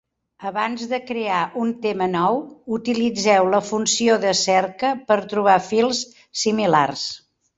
Abans de crear un tema nou, utilitzeu la funció de cerca per trobar fils similars.